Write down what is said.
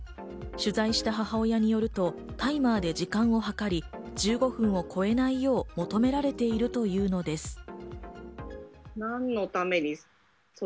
取材した母親によると、タイマーで時間を測り１５分を超えないよう求められているというのです。